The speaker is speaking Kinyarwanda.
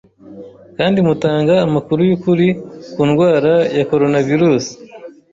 kandi mutanga amakuru y’ukuri ku ndwara ya coronavirus